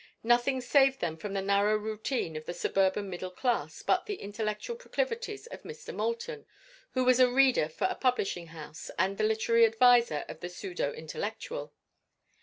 Nothing saved them from the narrow routine of the suburban middle class but the intellectual proclivities of Mr. Moulton, who was reader for a publishing house and the literary adviser of the pseudo intellectual.